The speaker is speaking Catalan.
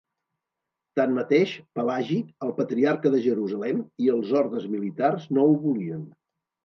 Tanmateix, Pelagi, el Patriarca de Jerusalem, i els ordes militars, no ho volien.